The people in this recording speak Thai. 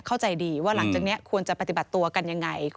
เข้าใจดีว่าหลังจากนี้ควรจะปฏิบัติตัวกันยังไง